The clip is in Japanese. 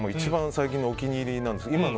最近のお気に入りなんですよ。